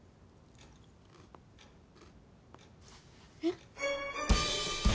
えっ？